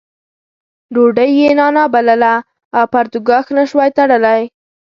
ډوډۍ یې نانا بلله او پرتوګاښ نه شوای تړلی.